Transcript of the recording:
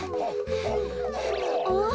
あっ？